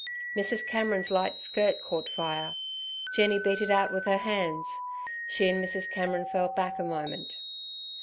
Mrs. Cameron's light skirt caught fire. Jenny beat it out with her hands. She and Mrs. Cameron fell back a moment.